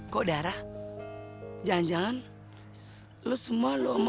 kok dalla jangan jangan lo semua lo sama